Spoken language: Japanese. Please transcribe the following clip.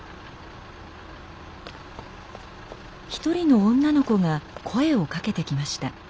一人の女の子が声をかけてきました。